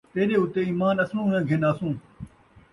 تیݙے اُتے ایمان اَصلُوں نہ گِھن آسوں،